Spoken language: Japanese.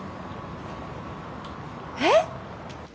えっ！？